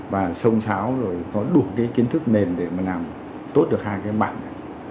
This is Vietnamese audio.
và sông sáo rồi có đủ cái kiến thức nền để mà làm tốt được hai cái bạn